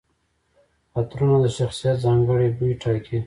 عطرونه د شخصیت ځانګړي بوی ټاکي.